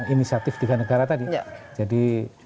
inisiatif tiga negara tadi jadi